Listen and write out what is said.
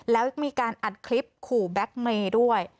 แล้วมีการอัดคลิปขู่แบ็คเมย์ด้วย